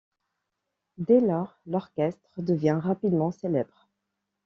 Dès lors, l'orchestre devient rapidement célèbre.